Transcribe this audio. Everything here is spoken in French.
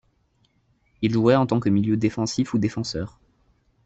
Il jouait en tant que milieu défensif ou défenseur.